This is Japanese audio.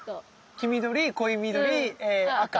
黄緑濃い緑赤？